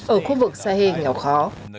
ở khu vực sahel nghèo khó